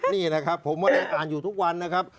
นี่นะครับผมก็ได้อ่านอยู่ทุกวันนะครับ